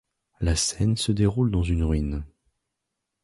La scène se déroule dans une ruine.